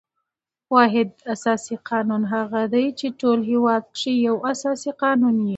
واحد اساسي قانون هغه دئ، چي په ټول هیواد کښي یو اساسي قانون يي.